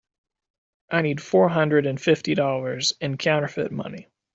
I need four hundred and fifty dollars in counterfeit money.